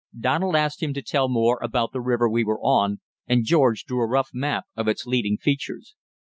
Donald asked him to tell more about the river we were on, and George drew a rough map of its leading features.